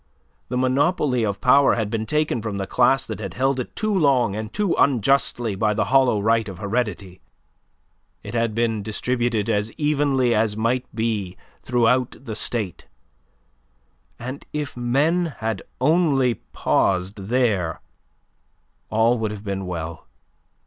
The monopoly of power had been taken from the class that had held it too long and too unjustly by the hollow right of heredity. It had been distributed as evenly as might be throughout the State, and if men had only paused there, all would have been well.